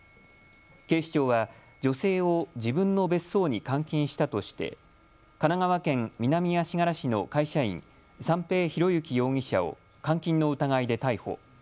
警視庁は女性を自分の別荘に監禁したとして神奈川県南足柄市の会社員、三瓶博幸容疑者を監禁の疑いで逮捕。